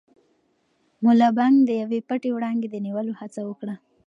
ملا بانګ د یوې پټې وړانګې د نیولو هڅه وکړه.